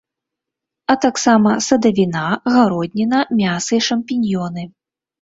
А таксама садавіна, гародніна, мяса і шампіньёны.